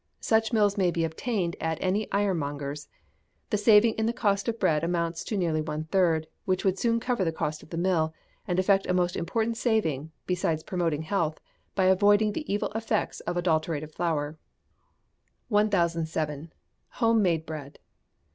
Such mills may be obtained at any ironmonger's. The saving in the cost of bread amounts to nearly one third, which would soon cover the cost of the mill, and effect a most important saving, besides promoting health, by avoiding the evil effects of adulterated flour. 1007. Home made Bread.